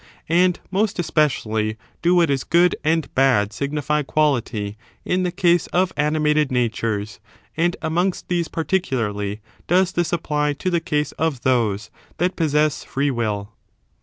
And most especially do what is good and bad signify quality in the case of animated natures, and amongst these particularly does this apply ^ to the case of those tlmt possess free will.